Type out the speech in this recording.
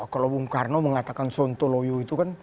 kalau bung karno mengatakan sontoloyo itu kan